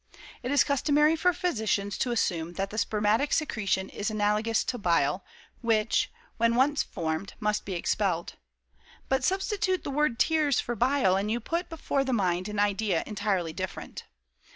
It is customary for physicians to assume that the spermatic secretion is analogous to bile, which, when once formed, must be expelled. But substitute the word 'tears' for bile, and you put before the mind an idea entirely different.